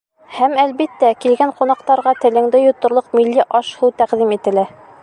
Һәм, әлбиттә, килгән ҡунаҡтарға телеңде йоторлоҡ милли аш-һыу тәҡдим ителә.